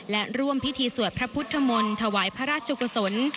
และร่วมพิธีสวดพระพุทธมนตร์ถวายพระราชกุศล